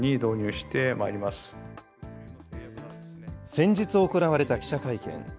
先日行われた記者会見。